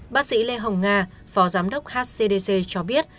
bác sĩ lê hồng nga phó giám đốc hcdc cho biết